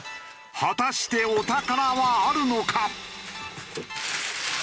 果たしてお宝はあるのか？